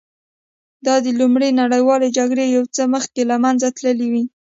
دا د لومړۍ نړیوالې جګړې یو څه مخکې له منځه تللې وې